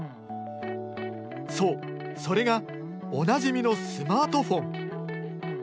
そうそれがおなじみのスマートフォン。